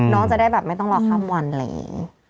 น้องจะได้ไม่ต้องรอคับวันเลย